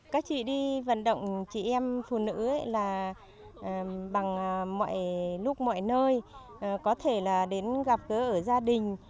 các chị đi vận động chị em phụ nữ là bằng mọi lúc mọi nơi có thể là đến gặp gỡ ở gia đình